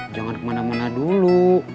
jangan kemana mana dulu